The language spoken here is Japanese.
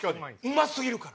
うますぎるから。